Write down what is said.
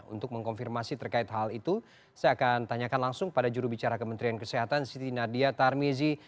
untuk mengkonfirmasi terkait hal itu saya akan tanyakan langsung pada jurubicara kementerian kesehatan siti nadia tarmizi